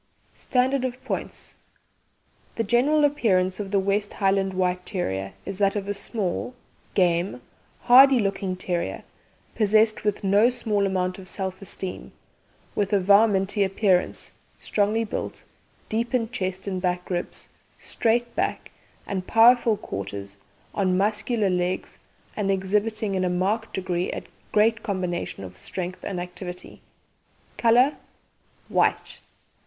'"STANDARD OF POINTS: The GENERAL APPEARANCE of the West Highland White Terrier is that of a small, game, hardy looking terrier, possessed with no small amount of self esteem, with a "varminty" appearance, strongly built, deep in chest and back ribs, straight back and powerful quarters, on muscular legs and exhibiting in a marked degree a great combination of strength and activity. COLOUR White.